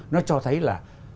nó cho thấy là